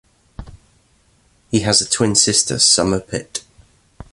He has a twin sister Summer Pitt.